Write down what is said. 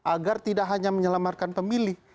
agar tidak hanya menyelamatkan pemilih